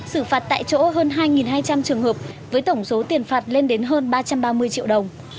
xử phạt tại chỗ hơn hai hai trăm linh trường hợp với tổng số tiền phạt lên đến hơn ba trăm ba mươi triệu đồng